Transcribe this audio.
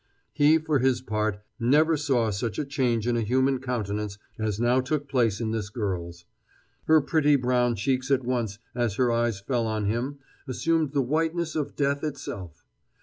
He, for his part, never saw such a change in a human countenance as now took place in this girl's. Her pretty brown cheeks at once, as her eyes fell on him, assumed the whiteness of death itself.